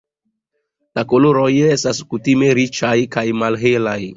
La koloroj estas kutime riĉaj kaj malhelaj.